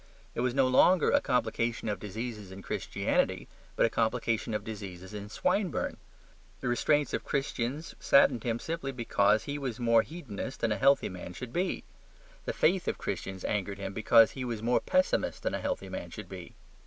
It was no longer a complication of diseases in Christianity, but a complication of diseases in Swinburne. The restraints of Christians saddened him simply because he was more hedonist than a healthy man should be. The faith of Christians angered him because he was more pessimist than a healthy man should be.